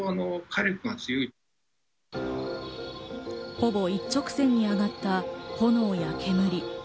ほぼ一直線に上がった炎や煙。